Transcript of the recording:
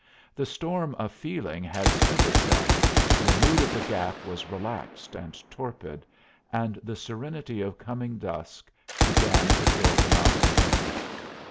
The storm of feeling had spent itself, the mood of the Gap was relaxed and torpid, and the serenity of coming dusk began to fill the mountain air.